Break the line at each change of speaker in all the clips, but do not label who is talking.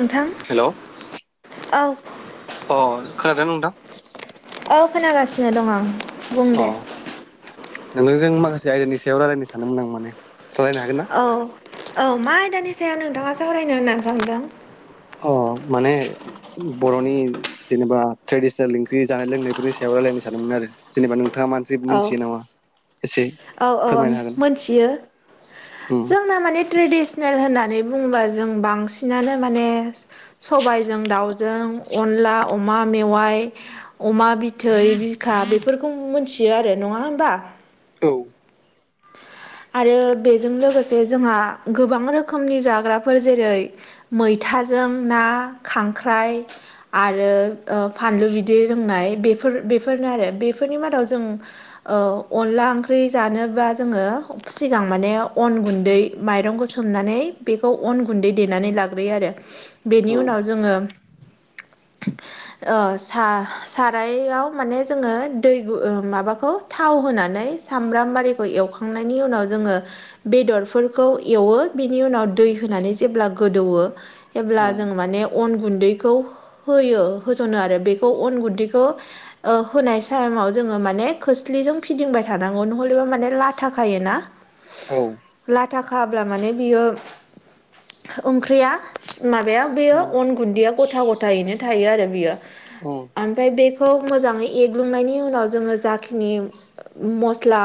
नोंथां।
हेलौ
[inaudible] औ
अ खोनादोंना नोंथां?
औ खोनागासिनो दं आं। बुं
अ
दे
नोंथांजों माखासे आयदानि सायाव रायलायनो सानदोंमोन आं माने रायलायनो हागोन ना?
औ औ मा आयदानि सायाव नोंथाङा सावरायनो होननानै सानदों?
अ माने बर'नि जेनेबा ट्रेडिसनेल ओंख्रि जानाय लोंनायफोरनि सायाव रायलायनो सानदोंमोन आरो जेनेबा नोंथाङा मान जेबो
औ
मिनथियो नामा? एसे
औ औ
फोरमायनो हागोन
मोनथियो
उम
जोंना माने ट्रेडिस नेल होननानै बुङोबा जों बांसिनानो माने सबाइजों दाउजों अनला अमा मेवाइ अमा बिथै बिखा बेफोरखौ मोनथियो आरो नङा होमबा?
औ।
आरो बेजों लोगोसे जोंहा गोबां रोखोमनि जाग्राफोर जेरै मैथाजों ना खांख्राइ। आरो ओ फानलु बिदै लोंनाय बेफोर बेफोरनो आरो बेफोरनि मादाव जों ओ अनला ओंख्रि जानोबा जोङो सिगां माने अन गुन्दै माइरंखौ सोमनानै बेखौ अन गुन्दै देनानै लाग्रोयो आरो। बेनि
उम
उनाव जोङो
[inaudible]
अ सा सारायाव माने जोङो दै गु ओ माबाखौ थाव होनानै सामब्राम आरिखौ एवखांनायनि उनाव जोङो बेदरफोरखौ एवो बिनि उनाव दै होनानै जेब्ला गोदौवो जेब्ला
उम
जों माने अन गुन्दैखौ होयो होज'नो आरो बेखौ अन गुन्दैखौ होनायसाइमाव जोङो माने खोस्लिजों फिदिंबाय थानांगौ नहलिबा माने ला था खायोना।
औ।
लाथा खाब्ला माने बियो ओंख्रिया माबाया बेयो
उम
अन गुन्दैया गथा गथायैनो थायो आरो बेयो।
उम
फाय बेखौ मोजाङै एग्लुंनायनि उनाव जोङो जाखिनि मस्ला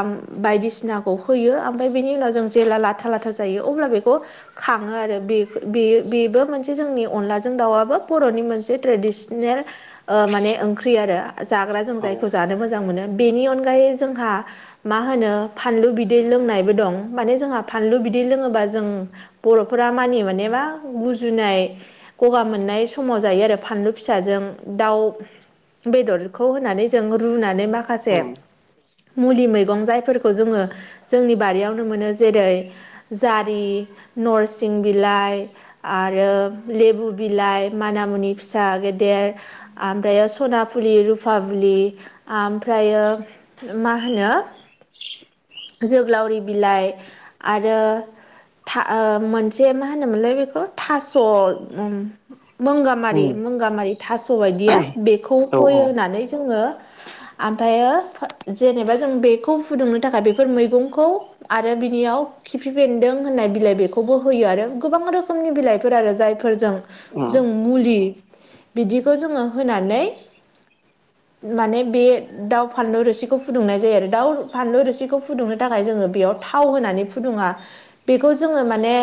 बायदिसि नाखौ होयो। ओमफ्राय बेनि उनाव जों जेब्ला लाथा लाथा जायो अब्ला बेखौ खाङो आरो बे बेयो बेबो मोनसे जोंनि अनलाजों दाउआबो बर'नि मोनसे ट्रेडिसनेल माने ओंख्रि आरो जाग्रा जों
औ उम
जायखौ जानो मोजां मोनो। बेनि अनगायै जोंहा मा होनो फानलु बिदै लोंनायबो दं, माने जोंहा फानलु बिदै लोङोबा जों बर'फोरा मानियो माने मा गुजुनाय गगा मोननाय समाव जायो आरो फानलु फिसाजों दाउ बेदरखौ होनानै जों रुनानै माखासे मुलि मैगं जायफोर खौ जोङो जोंनि बारियावनो मोनो जेरै जारि, नरसिं बिलाइ आरो लेबु बिलाइ, मानामुनि फिसा गेदेर आमफ्रायो सनाफुलि रुफाबुलि आमफ्रायो मा होनो जोग्लावरि बिलाइ आरो था ओ मोनसे मा होनोमोनलाय बेखौ थास' मंगामारि
उम
मंगामारि थास' बायदिया बेखौ
औ औ
होयो होननानै जोङो आमफ्रायो जेनेबा जों बेखौ फुदुंनो थाखाय बेफोर मैगंखौ आरो बिनियाव खिफि बेन्दों होननाय बिलाइ बेखौबो होयो आरो गोबां रोखोमनि बिलाइफोर आरो जायफोरजों
उम
जों मुलि बिदिखौ जोङो होनानै माने बे दाउ फानलु रोसिखौ फुदुंनाय जायो आरो दाउ फानलु रोसिखौ फुदुंनो थाखाय जोङो बेयाव थाव होनानै फुदुङा। बेखौ जोङो माने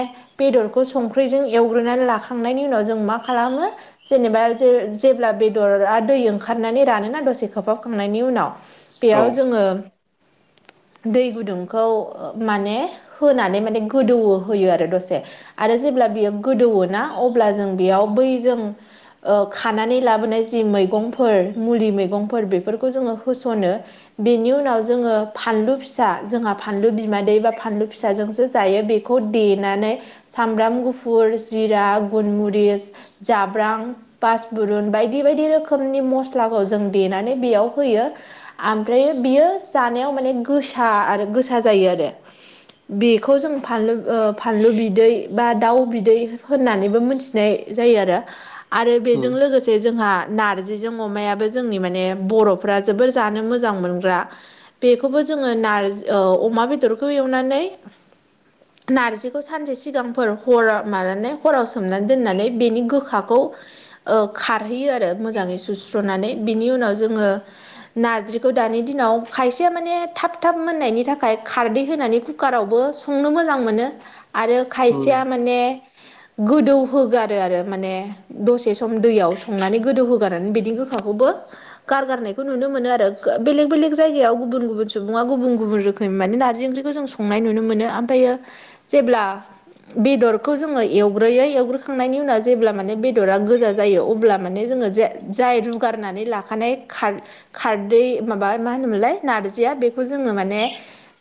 बेदरखौ संख्रिजों एवग्रोनानै लाखांनायनि उनाव जों मा खालामो जेनेबा जे-जेब्ला बेदरा दै ओंखारनानै रानोना दसे खोबहाबखांनायनि उनाव
औ
बेयाव जोङो दै गुदुंखौ माने होनानै माने गोदौवो होयो आरो दसे। आरो जेब्ला बियो गोदौवो ना अब्ला जों बेयाव बै जों अ खानानै लाबोनाय जि मैगंफोर मुलि मैगंफोर बेफोरखौ जोङो होस'नो। बेनि उनाव जोङो फानलु फिसा जोंहा फानलु बिमादै बा फानलु फिसाजोंसो जायो बेखौ देनानै सामब्राम गुफुर, जिरा, गुनमुरिस, जाब्रां बासबुरुन बायदि बायदि रोखोमनि मस्लाखौ जों देनानै बेयाव होयो आमफ्रायायो बियो जानायाव माने गोसा आरो गोसा जायो आरो बेखौ जों फानलु ओ फानलु बिदै बा दाउ बिदै होननानैबो मोन्थि नाय जायो आरो आरो बेजों
उम
लोगोसे जोंहा नारजिजों अमायाबो जोंनि माने बर'फ्रा जोबोर जानो मोजां मोनग्रा बेखौबो जोङो नारजि औ अमा बेदरखौ एवनानै
[inaudible]
नारजिखौ सानसे सिगांफोर हर माबनानै हराव सोमनानै दोननानै बेनि गोखाखौ ओ खारहैयो आरो मोजाङै सुस्र'नानै बिनि उनाव जोङो नारजिखौ दानि दिनाव खायसेया माने थाब थाब मोननायनि थाखाय खारदै होनानै कुकारावबो संनो मोजां मोनो आरो खायसेया
उम
माने गोदौ होगारो आरो माने दसे सम दैयाव संनानै गोदौहोगारनानै बिनि गोखाखौबो गारगारनायखौ नुनो मोनो ओ आरो बेलेग बेलेग जायगायाव गुबुन गुबुन सु बुङा गुबुन गुबुन रोखोम माने नारजि ओंख्रिखौ जों संनाय नुनो मोनो ओमफायो जेब्ला बेदरखौ जोङो एवग्रोयो एवग्रोखांनायनि उनाव जेब्ला माने बेदरा गोजा जायो अब्ला माने जोङो जे जाय रुगारनानै लाखानाय खार खारदै माबा माहोनोमोनलाय नारजिया बे खौ जोङो माने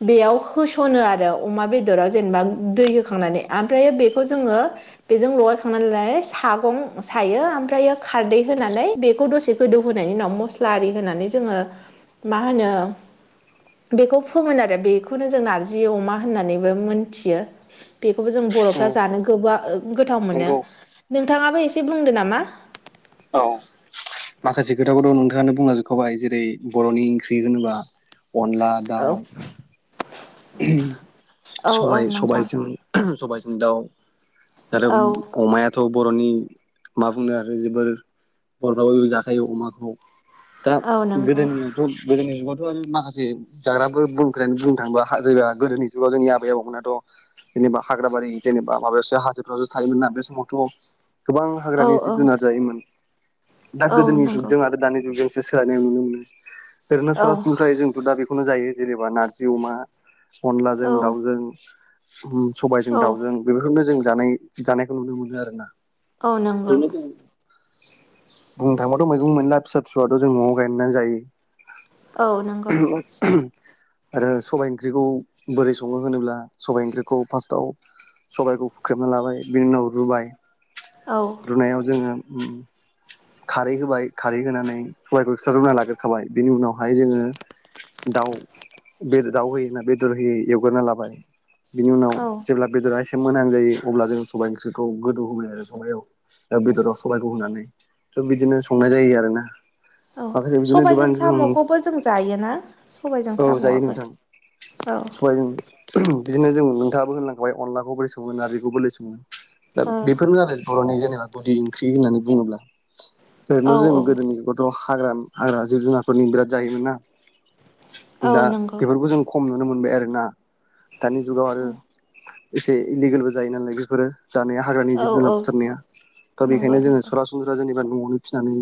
बेयाव होस'नो आरो अमा बेदराव जेनेबा दै होखांनानै ओमफ्रायो बेखौ जोङो बेजों लगायखांनानैलायो सागं सायो ओमफ्रायो खारदै होनानै बेखौ दसे गोदौ होनोनायनि उनाव मस्ला आरि होनानै जोङो मा होनो बेखौ फोमोन आरो बेखौनो जों नारजि अमा होननानैबो मोनथियो बेखौबो जों बर'फ्रा
उम
जानो गोबा गोथाव मोनो
नंगौ
नोंथाङाबो एसे बुंदो नामा
औ माखासे खोथाखौ दं नोंथाङानो बुंलाजोबखाय जेरै बर'नि ओंख्रि होनोबा अनला दाउ
औ औ औ
सबाय
नोंथां
सबायजों सबायाइजों दाउ आरो
औ
अमाया थ' बर'नि मा बुंनो आरो जोबोर बर'फ्राबो जाखायो अमाखौ दा
औ नंगौ
गोदोनिआवथ' गोदोनि जुगावथ' आरो माखासे जाग्राफोर बुंग्रायानो बुंनो थाङोबा खाजोरा गोदोनि जुगाव जोंनि आबै आबौमोनथ' जेनेबा हाग्राबारि जेनेबा माबायावसो हाजोफ्रावसो थायोमोन ना बे समावथ' गोबां
औ
हाग्रानि
औ
जिब जुनार जायोमोन दा
औ
गोदोनि
नंगौ
जुगजों आरो दानि जुगजों एसे सोलायनाय नुनो मोनो ओरैनो
औ
सरासनस्रायै जोंथ' दा बेखौनो जायो जेनेबा नारजि अमा अनलाजों
औ
दाउजों सबायजों
औ
दाउजों बेफोरखौनो जों जानाय जानायखौ नुनो मोनो आरोना
औ नंगौ
बुंनो थांबाथ' मैगं मोनला फिसा फिसौथ' जों न'आव गायनानै जायो
औ नंगौ
आरो सबाइ ओं ख्रिखौ बोरै सङो होनोब्ला सबाइ ओंख्रिखौ फार्स्टआव सबायखौ हुख्रेबना लाबाय बिनि उनाव रुबाय
औ
रुनायाव जोङो ओम खारै होबाय खारै होनानै सबायखौ एक्सथ्रा रुना लाग्रोखाबाय बिनि उनावहाय जोङो दाउ बे दाउ होयो ना बेदर होयै एवगारना लाबाय बिनि उनाव
औ
जेब्ला बेदरा एसे मोनहां जायो अब्ला जों सबाइ ओंख्रिखौ गोदौ होबाय आरो सबायाव बेदराव सबाइखौ होनानै थ' बिदिनो संनाय जायो आरोना
औ
माखासे बिदिनो गोबां
सबायजों
जोङो
साम'खौबो जों जायोना सबायजों साम'आबो औ
ओं बिदिनो जों नोंथाङाबो होनलां खबाय अनलाखौ बोरै सङो नारजिखौ बोलै सङो दा
ओ
बेफोरनो आरो बर'नि जेनेबा गुदि ओंख्रि होननानै बुङोब्ला ओरैनो
औ
जों
औ
गोदोनिखौथ' हाग्रा हाग्रा जिब जुनारफोर बिराद जायोमोन ना
औ
दा
नंगौ
बेफोरखौ जों खम नुनो मोनबाय आरोना दानि जुगाव आरो।
औ
एसे इलिगेलबो जायो नालाय बेफोरो जानिया हाग्रानि
औ
जिब जुनार
औ
बुथारनाया दा
नंगौ
बेखायनो जोङो
नंगौ
सरासनस्रा जेनेबा न'आवनो फिनानै।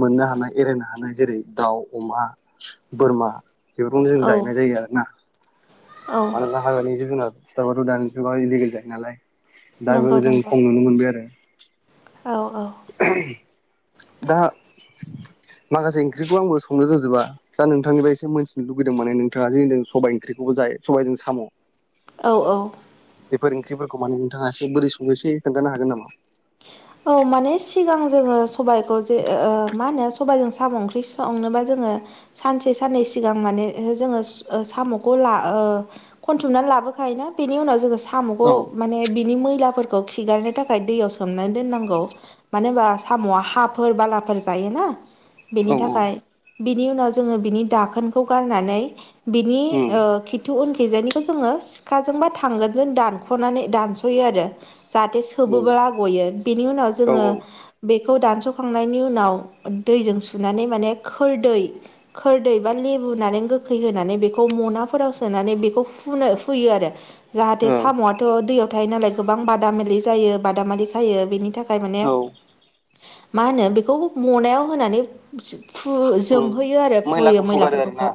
मोननो हानाय एरायनो हानाय जेरै दाउ अमा‌‌ मोसौ बोरमा। बेफोरखौनो जों
औ
जाहैनाय जायो आरोना
औ
मानोना हाग्रानि जिब जुनार सिथारबाथ' दानि जुगावहाय इलिगेल जायो नालाय दाबो
नंगौ
जों
नंगौ
खम नुनो मोनबाय आरो
औ औ।
दा माखासे ओंख्रिखौ आंबो संनो रोजोबा दा नोंथांनिफ्राय एसे मिथिनो लुगैदों माने नोंथाङा जि बुंदों सबबाय ओंख्रिखौबो जायो सबबायजों साम'।
औ औ।
बेफोर ओंख्रिफोरखौ माने नोंथाङा एसे बोरै सङो एसे खोन्थानो हागोन नामा
औ माने सिगां जोङो सबाइखौ जे ओ मा होनो सबाइजों साम' ओंख्रि संनोबा जोङो। सानसे साननै सिगां माने जोङो साम'खौ ला ओ। खनथुमनानै लाबोखाय ना बेनि उनाव जोङो साम'खौ
औ
माने बिनि मैलाफोरखौ खिगारनो थाखाय दैयाव सोमनानै दोननांगौ मानो होनबा साम'आ हाफोर बालाफोर जायोना
औ
बेनि
औ
थाखाय बिनि उनाव जोङो बिनि दाखोनखौ गारनानै बिनि
उम
ओ खिद। थु उनखैजायनिखौ जोङो सिखाजों बा थांगोनजों दानख'नानै दानस'यो आरो। जाहाथे सोबो
उम
लागयो बेनि उनाव जोङो
औ
बे। बेखौ दानस'खांनायनि उनाव दैजों सुनानै माने खोरदै खोरदै बा लेबुनानै गोखै होनानै बेखौ मनाफोराव सोनानै बेखौ फुनो फुयो आरो। जाहाथे साम'आथ' दैयाव थायो नालाय गोबां बादामिलि जायो बादामालि खायो बेनि थाखाय। थाखाय माने
ओ औ
मा होनो बेखौ मनायाव होनानै। फु
उम
जोंफोयो आरो फुयो
मैलाखौ फुगारो आरोना
मैलाफोरखौ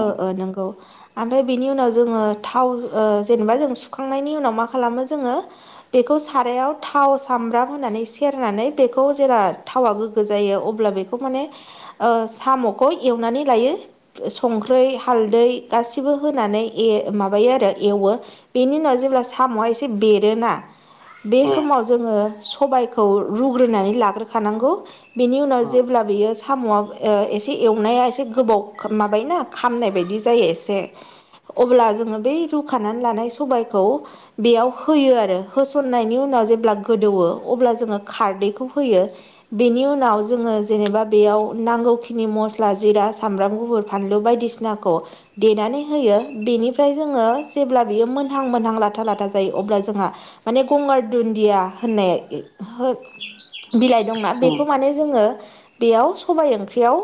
ओ ओ नोंगौ। ओमफ्राय बिनि उनाव जोङो थाव जेनेबा जों सुखांनायनि उनाव मा खालामो जोङो। बेखौ सारायाव थाव। सामब्राम होनानै सेरनानै बेखौ जेब्ला थावा गोग्गो जायो अब्ला बेखौ माने। ओ साम'खौ एवनानै लायो। संख्रै हालदै गासिबो होनानै ए-माबायो आरो एवो बेनि उनाव जेब्ला साम'ह एसे बेरोना बे
उम
समाव। आंङो सबायखौ रुग्रोनानै लाग्रोखानांगौ। बेनि उनाव
उम
जेब्ला बियो साम'आ एसे एवनाया एसे गोबाव माबाय ना। खामनाय बायदि जायो एसे अब्ला जोङो बै रुखानानै लानाय सबायखौ बेयाव होयो आरो होसननायनि उनाव जेब्ला गोदौवो अब्ला जोङो खारदैखौ होयो बेनि उनाव जोङो जेनेबा बेयाव नांगौखिनि मस्ला जिरा सामब्राम गुफुर फानलु बायदिसिना। नाखौ देनानै होयो बेनिफ्राय जोङो जेब्ला बियो मोनहां मोनहां लाथा लाथा जायो अब्ला जोंहा। माने गगार दुनदिया। होननाय बिलाइ दंना बेखौ माने जोङो। बेयाव सबाइ ओंख्रियाव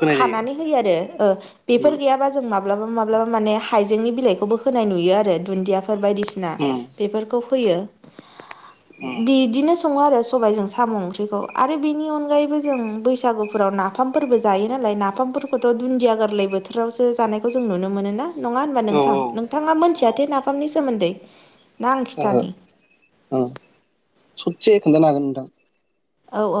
होनाय जायो
खानानै होयो आरो। बेफोर
उम
गैयाबा जों माब्लाबा माब्लाबा माने हाइजेंनि बिलाइखौबो होनाय नुयो आरो दुन्दिया। फोर बायदिसिना
उम
बेफोरखौ फोयो।
उम
बिदिनो सङो आरो सबायाइजों साम' ओंख्रिखौ आरो बिनि अनगायैबो जों बैसागुफोराव नाफाम। नाफामफोरबो जायो नालाय नाफामफोरखौथ' दुन्दिया गोरलै बोथोरावसो जानायखौ जों नुनो मोनो ना नङा होनबा
औ
नोंथां। नोंथाङा
नंगौ
मोनथियाथे नाफामनि सोमोन्दै ना आं
ओहो
खिथानि।
सुसे खोनथानो होन नोंथां।
औ औ।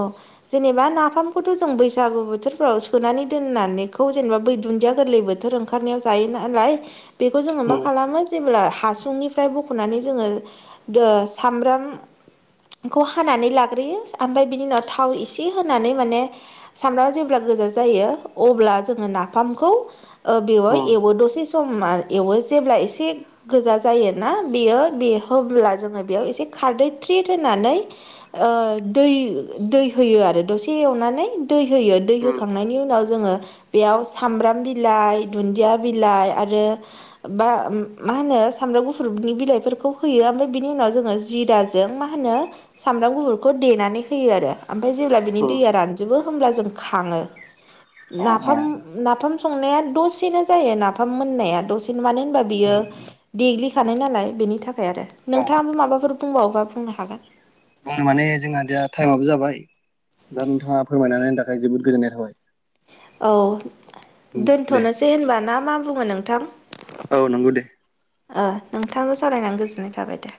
जेनेबा नाफामखौथ' जों बैसागु बोथोरफ्राव सोनानै दोननानैखौ जेनेबा बै दुन्दिया गोरलै बोथोर ओंखार। ओंखारनायाव जायो नालाय बेखौ जोङो मा
उम
खालामो। जेब्ला हासुंनिफ्राय बख'नानै जोङो दो सामब्राम खौ हानानै लाग्रोयो आमफ्राय बिनि उनाव थाव इसे होनानै माने। सामब्रामआ जेब्ला गोजा जायो अब्ला जोङो नाफामखौ ओ बेवाय
उम
एवो दसे स स मा एवो जेब्ला एसे। गोजा जायोना बेयो बे होब्ला जोङो बेयाव एसे खारदै थ्रेद होनानै। ओन दै दै होयो आरो दसे एवनानै दै होयो दै
उम
होखांनायनि उनाव जोङो बेयाव सामब्राम बिलाइ दुन्दिया बिलाइ आरो बा मा होनो सामब्राम गुफुरनि बिलाइफोरखौ होयो ओमफ्राय बिनि उनाव जों जि दा जे जों मा होनो सामब्राम गुफुरखौ देनानै होयो आरो ओमफाय जेब्ला बिनि
उम
दैया रानजोबो होमब्ला जों खाङो।
अ अ
नाफाम नाफाम संनाया दसेनो जायो नाफाम मोननाया दसेनो मानो होनबा बियो
उम
देग्लिखानाय नालाय बेनि थाखाय आरो
औ
नोंथाङाबो माबाफोर बुंबावोबा बुंनो हागोन
बुंनो माने जोंहा दा टाइमाबो जाबाय दा नोंथाङा फोरमायनानै होनायनि थाखाय जोबोद गोजोननाय थाबाय।
औ
उम दे
दोन्थ'नोसै होनबा ना मा बुङो नोंथां?
औ नोंगौ दे।
ओ नोंथां सावरायनानै गोजोननाय थाबाय दे।